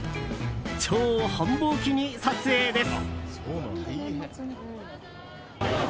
超繁忙期に撮影です。